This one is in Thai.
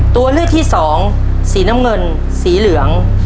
ตัวเลือกที่สองสีน้ำเงินสีเหลือง